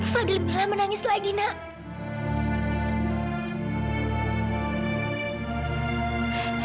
fadil bilang menangis lagi nak